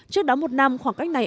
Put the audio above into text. trước đó một năm khoảng cách này